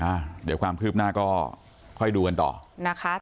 อ่ะเดี๋ยวความคืบหน้าก็ค่อยดูกันต่อนะคะ